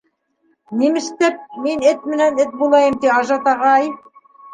Ниместәп мин эт менән эт булайым ти, Ажат ағай?